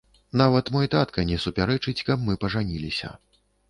Нават мой татка не супярэчыць, каб мы пажаніліся.